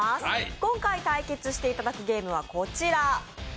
今回対決していただくゲームはこちら。